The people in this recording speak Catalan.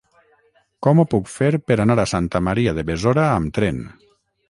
Com ho puc fer per anar a Santa Maria de Besora amb tren?